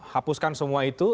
hapuskan semua itu